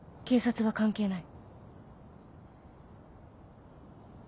警察は関係ない。